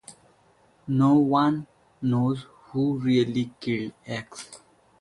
No one knows who really killed X.